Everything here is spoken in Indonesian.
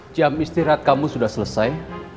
jam istirahat kamu sudah selesai